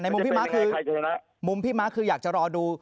ในมุมพี่มาร์คคืออยากจะรอดู